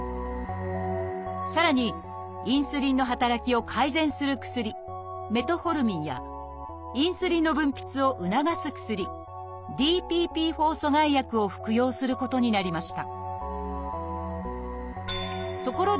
さらにインスリンの働きを改善する薬「メトホルミン」やインスリンの分泌を促す薬「ＤＰＰ−４阻害薬」を服用することになりました。